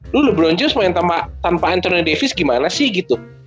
lu lebron james main tanpa anthony davis gimana sih gitu